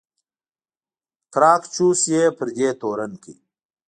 ګراکچوس یې پر دې تورن کړ.